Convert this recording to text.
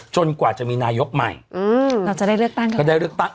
กว่าจะมีนายกใหม่อืมเราจะได้เลือกตั้งค่ะเราได้เลือกตั้ง